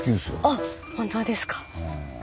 あっ本当ですか。